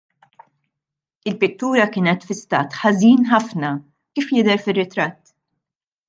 Il-pittura kienet fi stat ħażin ħafna, kif jidher fir-ritratt.